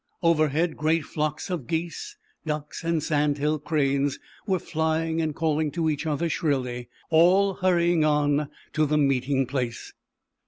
Overhead great flocks of geese, ducks and sand hill cranes were flying and calling to each other shrilly, all hurry ing on to the Meeting Place.